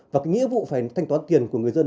và cái nghĩa vụ phải thanh toán tiền của người dân